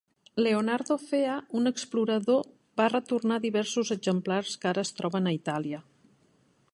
Leonardo Fea, un explorador, va retornar diversos exemplars que ara es troben a Itàlia.